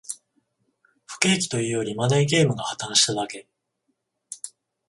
不景気というより、マネーゲームが破綻しただけ